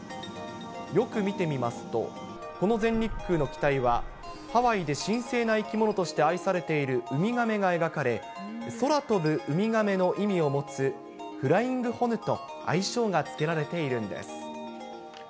よく見てみますと、この全日空の機体は、ハワイで神聖な生き物として愛されているウミガメが描かれ、空飛ぶウミガメの意味を持つ、フライングホヌと、愛称が付けられているんです。